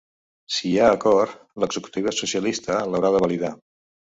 Si hi ha acord, l’executiva socialista l’haurà de validar.